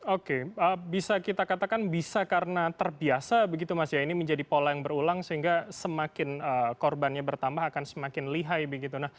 oke bisa kita katakan bisa karena terbiasa begitu mas ya ini menjadi pola yang berulang sehingga semakin korbannya bertambah akan semakin lihai begitu